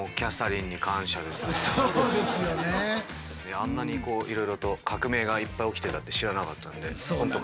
あんなにこういろいろと革命がいっぱい起きてたって知らなかったんで本当感謝ですね。